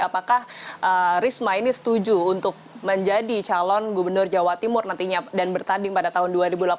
apakah risma ini setuju untuk menjadi calon gubernur jawa timur nantinya dan bertanding pada tahun dua ribu delapan belas